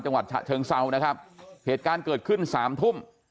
จังหวัดเชิงเศร้านะครับเหตุการณ์เกิดขึ้นสามทุ่ม